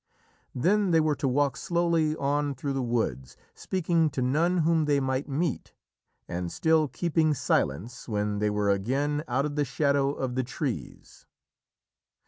Then they were to walk slowly on through the woods, speaking to none whom they might meet, and still keeping silence when they were again out of the shadow of the trees.